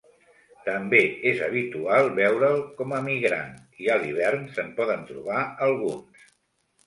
També és habitual veure'l com a migrant, i a l'hivern se'n poden trobar alguns.